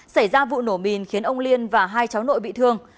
xảy ra vụ nổ mìn khiến ông liên và hai cháu nội bị thương